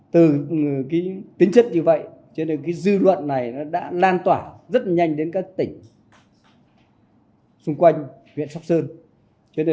từ tính chất như vậy dư luận này đã lan tỏa rất nhanh đến các tỉnh xung quanh huyện pháp sơn